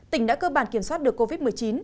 tỉnh đã cơ bản kiểm soát được covid một mươi chín